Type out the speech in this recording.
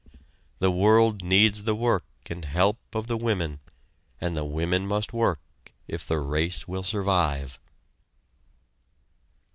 The world needs the work and help of the women, and the women must work, if the race will survive.